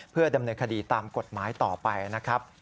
เพื่อดำเนินคดีตามกฎหมายต่อไปนะครับ